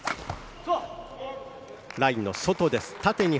ラインの外です。